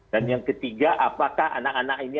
dan yang ketiga apakah anak anak ini